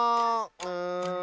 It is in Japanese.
うん。